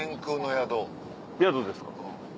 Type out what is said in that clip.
宿ですか。